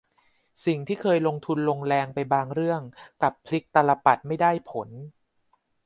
สิ่งที่เคยลงทุนลงแรงไปบางเรื่องกลับพลิกตาลปัตรไม่ได้ผล